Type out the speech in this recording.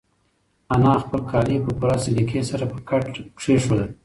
انا خپل کالي په پوره سلیقې سره په کټ کېښودل.